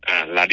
à là điều đó